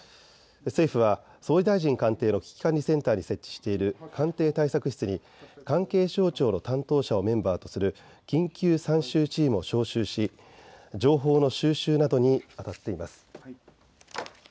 政府は総理大臣官邸の危機管理センターに設置している官邸対策室に関係省庁の担当者をメンバーとする緊急参集チームを招集し、情報の収集などにあたっています。